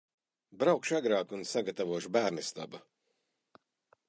Braukšu agrāk un sagatavošu bērnistabu.